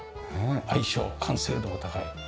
相性完成度が高い。